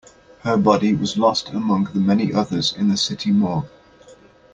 Her body was lost among the many others in the city morgue.